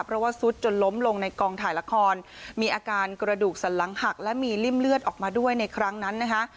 เพราะว่าซุดจนล้มลงในกองถ่ายละครมีอาการกระดูกสันหลังหักและมีริ่มเลือดออกมาด้วยในครั้งนั้นนะคะ